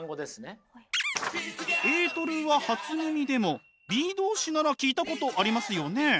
エートルは初耳でもｂｅ動詞なら聞いたことありますよね。